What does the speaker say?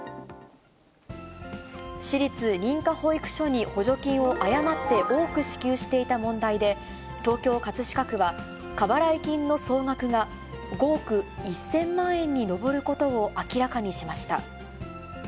私立認可保育所に補助金を誤って多く支給していた問題で、東京・葛飾区は、過払い金の総額が５億１０００万円に上ることを明らかにしました。